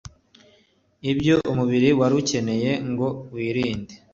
ibyo umubiri wari ukeneye ngo wirinde